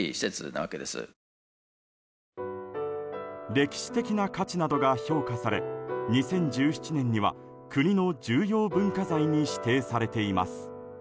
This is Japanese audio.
歴史的な価値などが評価され２０１７年には国の重要文化財に指定されています。